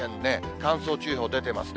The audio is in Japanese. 乾燥注意報出てますね。